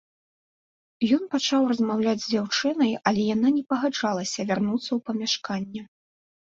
Ён пачаў размаўляць з дзяўчынай, але яна не пагаджалася вярнуцца ў памяшканне.